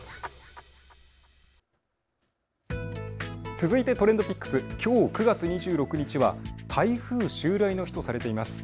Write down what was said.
続いてＴｒｅｎｄＰｉｃｋｓ、きょう９月２６日は台風襲来の日とされています。